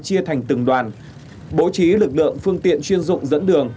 chia thành từng đoàn bố trí lực lượng phương tiện chuyên dụng dẫn đường